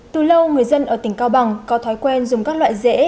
từ lâu người dân ở tỉnh cao bằng có thói quen dùng các loại rễ